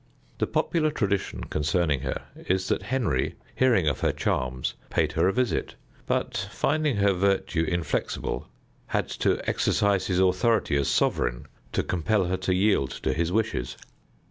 The popular tradition concerning her is that Henry, hearing of her charms, paid her a visit, but, finding her virtue inflexible, had to exercise his authority as sovereign to compel her to yield to his wishes.